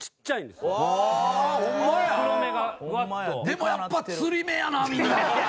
でもやっぱつり目やなみんな。